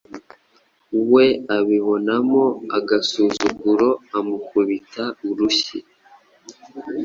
we abibonamo agasuzuguro amukubita urushyi